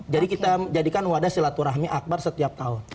jadi kita jadikan wadah selat rahmi akbar setiap tahun